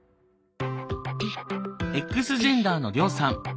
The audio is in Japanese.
Ｘジェンダーのリョウさん。